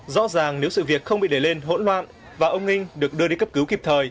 rõ ràng nếu sự việc không bị đẩy lên hỗn loạn và ông ninh được đưa đi cấp cứu kịp thời